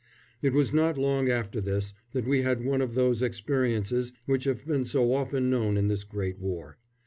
It was not long after this that we had one of those experiences which have been so often known in this great war.